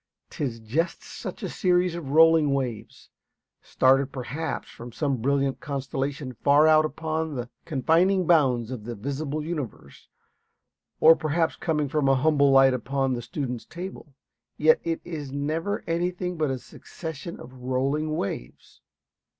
'Tis just such a series of rolling waves; started perhaps from some brilliant constellation far out upon the confining bounds of the visible universe, or perhaps coming from a humble light upon the student's table; yet it is never anything but a succession of rolling waves.